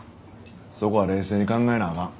そこは冷静に考えなあかん。